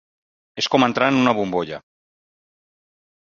És com entrar en una bombolla.